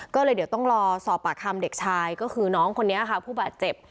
ก็เลยเดี๋ยวต้องรอสอบปากคำเด็กชายก็คือน้องคนนี้ค่ะผู้บาดเจ็บ